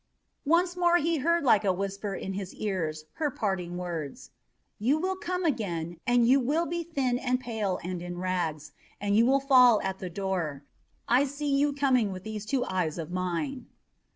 Once more he heard like a whisper in his ears her parting words: "You will come again, and you will be thin and pale and in rags, and you will fall at the door. I see you coming with these two eyes of mine."